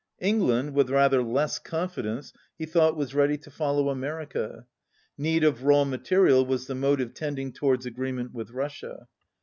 England, with rather less confidence, he thought was ready to follow America. Need of raw material was the motive tending towards agreement with Russia.